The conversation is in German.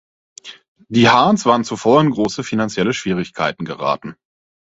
Die „Hearts“ waren zuvor in große finanzielle Schwierigkeiten geraten.